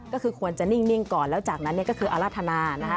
ก็คือควรจะนิ่งก่อนแล้วจากนั้นก็คืออรรถนานะคะ